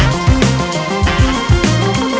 kamu pulih dulu